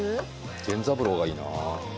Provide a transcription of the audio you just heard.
源三郎がいいなあ。